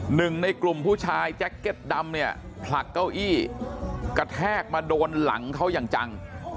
หนึ่งในกลุ่มผู้ชายแจ็คเก็ตดำเนี่ยผลักเก้าอี้กระแทกมาโดนหลังเขาอย่างจัง